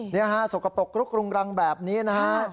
นี่ฮะสกปรกรุกรุงรังแบบนี้นะฮะ